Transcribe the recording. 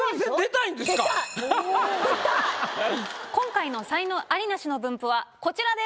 今回の才能アリ・ナシの分布はこちらです。